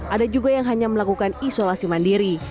ada juga yang hanya melakukan isolasi mandiri